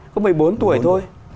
có một mươi bốn tuổi thôi